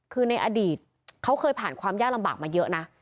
คือในอดีตเขาเคยผ่านความยากลำบากมาเยอะนะ